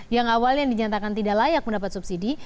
yang awalnya dinyatakan tidak layak mendapat subsidi